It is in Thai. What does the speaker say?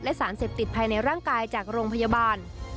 และสารเสพติดภายในร่างกายจากโรงพยาบาล